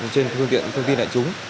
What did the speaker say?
trên phương tiện thông tin đại chúng